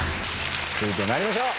続いて参りましょう。